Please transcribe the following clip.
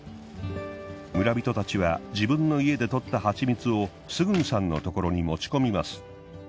村人たちは自分の家で採った蜂蜜をスグンさんのところに持ち込みます。